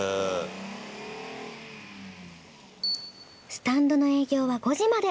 スタンドの営業は５時まで。